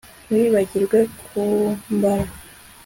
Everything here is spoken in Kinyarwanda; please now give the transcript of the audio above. Ntiwibagirwe kumbara